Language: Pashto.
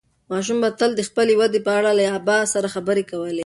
ماشوم به تل د خپلې ودې په اړه له ابا سره خبرې کولې.